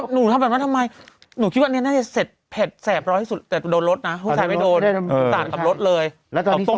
หนูทำแบบว่าทำไมหนูคิดว่านี้น่าจะเสร็จเผ็ดแร็บร้อยสุดแต่ไปโดนรถนะชุดขาดเร็ว